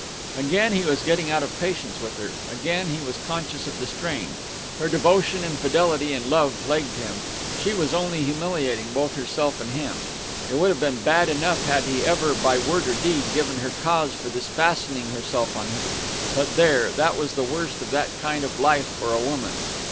Again he was getting out of patience with her; again he was conscious of the strain. Her devotion and fidelity and love plagued him; she was only humiliating both herself and him. It would have been bad enough had he ever, by word or deed, given her cause for thus fastening herself on him ... but there; that was the worst of that kind of life for a woman.